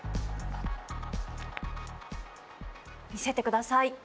見せてください。